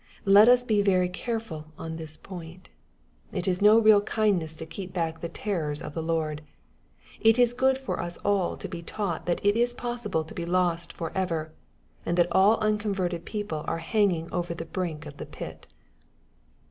Let us be very careful on this point. It is no real kindness to keep back the terrors of the Lord. It is good for us aU to be taught that it is possible to be lost for ever, and that all unconverted people are hanging over the brink of the pit.